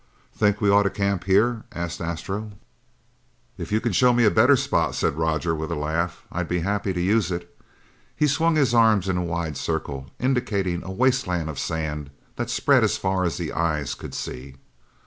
"Think we ought to camp here?" asked Astro. "If you can show me a better spot," said Roger with a laugh, "I'll be happy to use it!" He swung his arm in a wide circle, indicating a wasteland of sand that spread as far as the eyes could see.